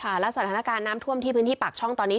และสถานการณ์น้ำท่วมที่พื้นที่ปากช่องตอนนี้